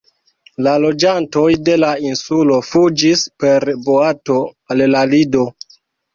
La loĝantoj de la insulo fuĝis per boato al la Lido.